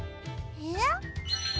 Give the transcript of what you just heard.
えっ？